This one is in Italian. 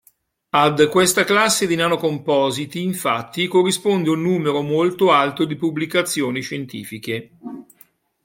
Ad questa classe di nanocompositi infatti corrisponde un numero molto alto di pubblicazioni scientifiche.